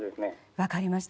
分かりました。